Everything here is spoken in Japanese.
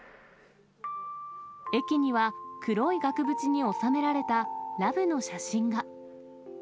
駅には黒い額縁に収められたらぶの写真が。